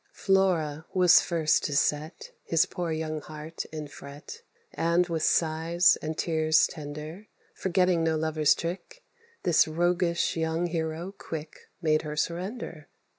Flora was first to set His poor young heart in fret; And with sighs and tears tender, Forgetting no lovers trick, This roguish young hero quick Made her surrender.